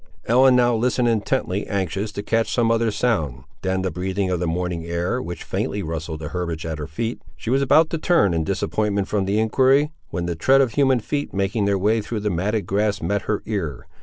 Ellen now listened intently anxious to catch some other sound, than the breathing of the morning air, which faintly rustled the herbage at her feet. She was about to turn in disappointment from the enquiry, when the tread of human feet making their way through the matted grass met her ear.